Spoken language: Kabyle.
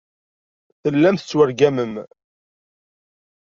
Tellam tettwargamem.